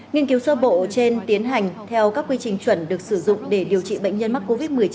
nghiên cứu sơ bộ trên tiến hành theo các quy trình chuẩn được sử dụng để điều trị bệnh nhân mắc covid một mươi chín